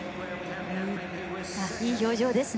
いい表情ですね。